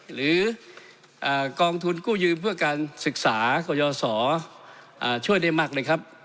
หรือกองทุนกู้ยืมเพื่อการศึกษากรยศช่วยได้มากเลยครับ